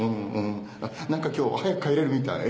なんか今日早く帰れるみたい。